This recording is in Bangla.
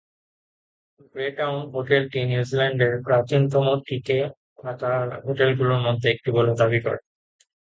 গ্রেটাউন হোটেলটি নিউজিল্যান্ডের প্রাচীনতম টিকে থাকা হোটেলগুলির মধ্যে একটি বলে দাবি করে।